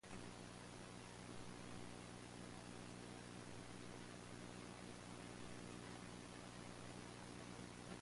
Demand in the West for exclusion of Asian immigrants became even stronger than before.